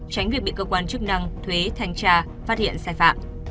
tránh việc bị cơ quan chức năng thuế thanh tra phát hiện sai phạm